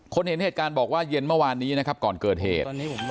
เห็นเหตุการณ์บอกว่าเย็นเมื่อวานนี้นะครับก่อนเกิดเหตุ